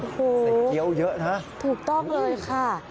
ใส่เกี๊ยวเยอะนะ